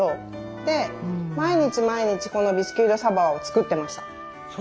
で毎日毎日このビスキュイ・ド・サヴォワを作ってました。